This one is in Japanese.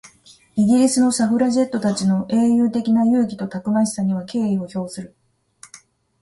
イギリスのサフラジェットたちの英雄的な勇気とたくましさには敬意を表する。